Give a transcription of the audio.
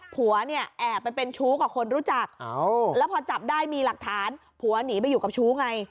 ผัวเนี่ยแอบไปเป็นชู้กับคนรู้จักแล้วพอจับได้มีหลักฐานผัวหนีไปอยู่กับชู้ไง